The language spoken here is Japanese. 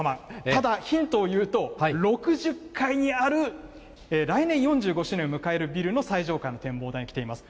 ただヒントを言う、６０階にある、来年４５周年を迎えるビルの最上階の展望台に来ています。